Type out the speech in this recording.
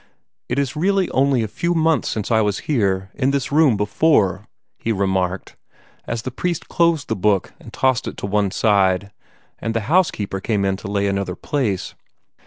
"It is really only a few months since I was here, in this room, before," he remarked, as the priest closed his book and tossed it to one side, and the housekeeper came in to lay another place.